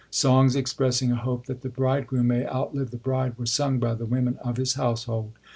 Songs expressing a hope that the bridegroom may outlive the bride, were sung by the women of his household.